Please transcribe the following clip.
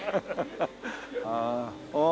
ああ。